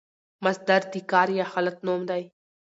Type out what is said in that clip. مصدر د کار یا حالت نوم دئ.